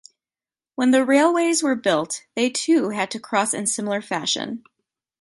When the railways were built, they too had to cross in similar fashion.